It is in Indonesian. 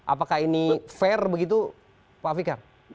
apakah ini fair begitu pak fikar